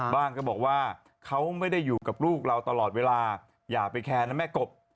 ก็บอกว่าเขาไม่ได้อยู่กับลูกเราตลอดเวลาอย่าไปแคร์นะแม่กบ